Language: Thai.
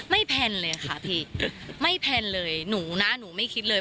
แพลนเลยค่ะพี่ไม่แพลนเลยหนูนะหนูไม่คิดเลย